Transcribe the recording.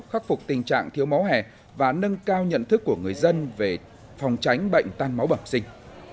khắc phục tình trạng thiếu máu hè và nâng cao nhận thức của người dân về phòng tránh bệnh tan máu bẩm sinh